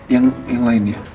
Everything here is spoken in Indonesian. yang lain ya